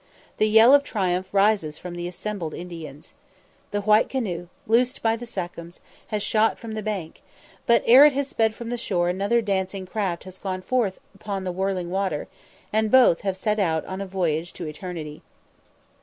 The yell of triumph rises from the assembled Indians. The white canoe, loosed by the sachems, has shot from the bank, but ere it has sped from the shore another dancing craft has gone forth upon the whirling water, and both have set out on a voyage to eternity.